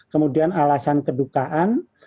kemudian alasan kedukaan